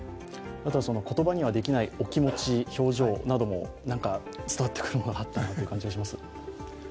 言葉にはできないお気持ち、表情なども伝わってくるものがあったという気がします。